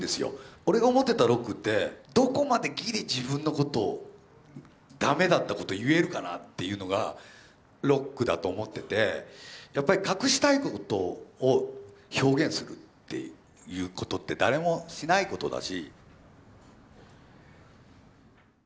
俺が思ってたロックってどこまでぎり自分のことを駄目だったこと言えるかなっていうのがロックだと思っててやっぱり隠したいことを表現するっていうことって誰もしないことだし。